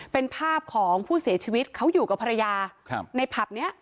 เป็นภาพของผู้เสียชีวิตเขาอยู่กับภรรยาในผับนี้